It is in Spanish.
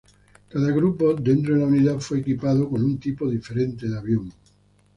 Cada grupo dentro de la unidad fue equipado con un tipo diferente de avión.